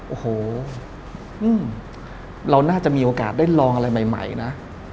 โอ้โหเราน่าจะมีโอกาสได้ลองอะไรใหม่นะ